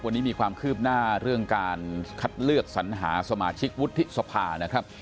วันนี้มีความคืบหน้าเรื่องการคัดเลือกสัญหาสมาชิกวุฒิสภานะครับ